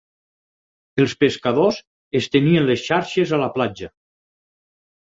Els pescadors estenien les xarxes a la platja.